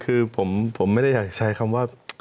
คือผมไม่ได้อยากใช้คำว่า